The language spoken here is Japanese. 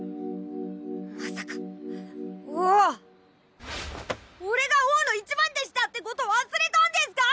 まさか王俺が王の一番弟子だってこと忘れたんですか